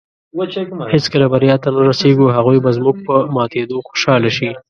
هېڅکله بریا ته نۀ رسېږو. هغوی به زموږ په ماتېدو خوشحاله شي